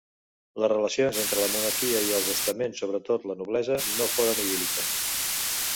Les relacions entre la monarquia i els estaments, sobretot la noblesa, no foren idíl·liques.